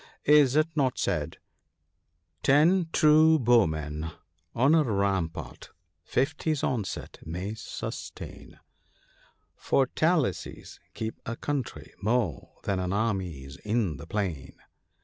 Is it not said —" Ten true bowmen on a rampart fifty's onset may sustain ; Fortalices keep a country more than armies in the plain